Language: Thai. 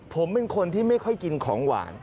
ผมเป็นคนที่ไม่ค่อยกินของหวาน